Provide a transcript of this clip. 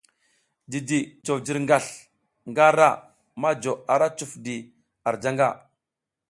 Jiji jof jirgasl nga ara ma jo ara cuf di ar janga.